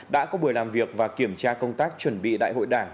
đã có buổi làm việc và kiểm tra công tác chuẩn bị đại hội đảng